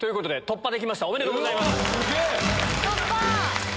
突破！